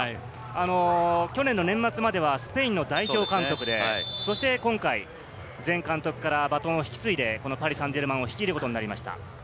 去年の年末まではスペインの代表監督で、そして今回、前監督からバトンを引き継いでパリ・サンジェルマンを率いることになりました。